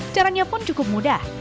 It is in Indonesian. caranya pun cukup mudah